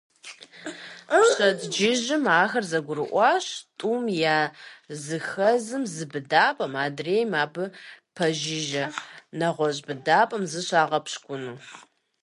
Пщэдджыжьым ахэр зэгурыӀуащ тӀум я зыхэзым зы быдапӀэм, адрейм абы пэжыжьэ нэгъуэщӀ быдапӀэм зыщагъэпщкӀуну.